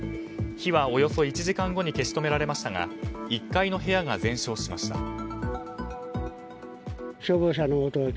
火はおよそ１時間半後に消し止められましたが１階の部屋が全焼しました。